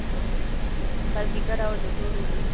بلکې ګډ او د ټولو وي.